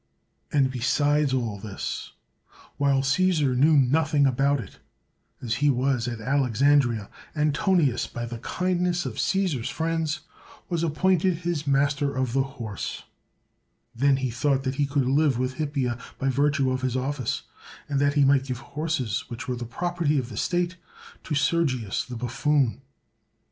And besides all this, while Caesar knew nothing about it, as he was at Alexandria, Antonius, by the kindness of Caesar's friends, was appointed his master of the horse. Then he thought that he could live with Hippia by virtue of his office, and that he might give horses which were the property of the state to Sergius the buffoon.